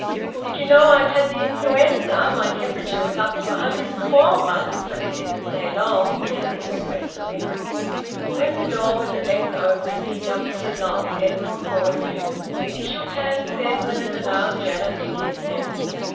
"Did you know I've had the influenza? My temperature was up to 104 once but it didn't stay long," he added regretfully. When the door was at length opened, he jumped headlong, and Edwin caught him. He shook hands with Edwin and allowed Janet to kiss him.